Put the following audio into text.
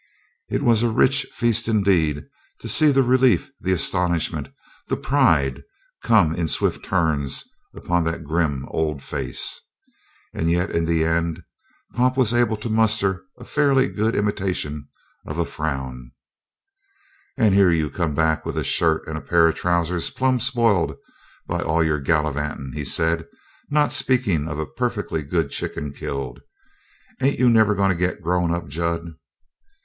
It was a rich feast indeed to see the relief, the astonishment, the pride come in swift turns upon that grim old face. And yet in the end Pop was able to muster a fairly good imitation of a frown. "And here you come back with a shirt and a pair of trousers plumb spoiled by all your gallivantin'," he said, "not speakin' of a perfectly good chicken killed. Ain't you never goin' to get grown up, Jud?"